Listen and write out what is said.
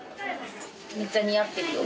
めっちゃ似合ってるよ。